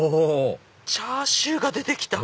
チャーシューが出て来た！